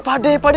pak deh pak deh